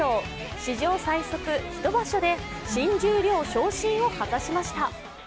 史上最速一場所で新十両昇進を果たしました。